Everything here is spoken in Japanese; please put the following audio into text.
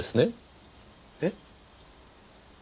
えっ？